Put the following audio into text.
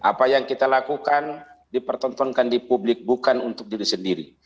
apa yang kita lakukan dipertontonkan di publik bukan untuk diri sendiri